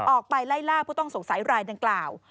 ออกไปไล่ล่าผู้ต้องสงสัยรายดังกล่าว